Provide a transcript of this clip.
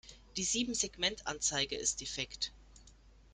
Die Siebensegmentanzeige ist defekt.